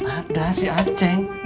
ada si aceng